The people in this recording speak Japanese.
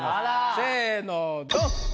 せぇのドン！